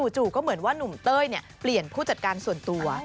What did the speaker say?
จู่ก็เหมือนว่านุ่มเต้ยเปลี่ยนผู้จัดการส่วนตัว